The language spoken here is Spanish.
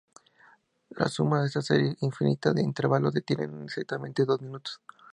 La suma de esta serie infinita de intervalos de tiempo es exactamente dos minutos.